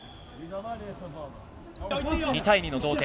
２対２の同点。